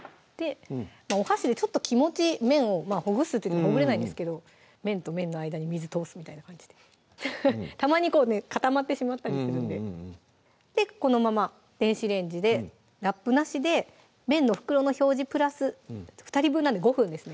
お箸でちょっと気持ち麺をほぐすほぐれないんですけど麺と麺の間に水通すみたいな感じでたまにこうね固まってしまったりするんででこのまま電子レンジでラップなしで麺の袋の表示プラス二人分なんで５分ですね